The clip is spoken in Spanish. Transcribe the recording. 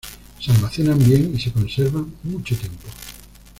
Se almacenan bien y se conservan mucho tiempo.